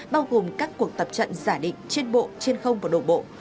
bao gồm các cuộc tập trận giả định trên bộ trên không và đổ bộ